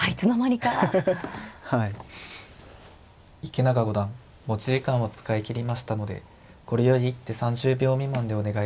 池永五段持ち時間を使い切りましたのでこれより一手３０秒未満でお願いします。